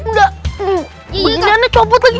udah benerannya copot lagi